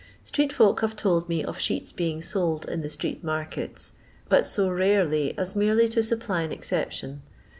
Street folk have told me of sheets being sold in the street markets, but so rarely as merely to supply an exception.